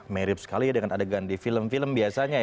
mirip sekali ya dengan adegan di film film biasanya ya